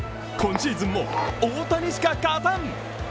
今シーズンも大谷しか勝たん！